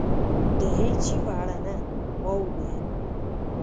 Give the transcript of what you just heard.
د هېڅ شي په اړه نه. ما وویل.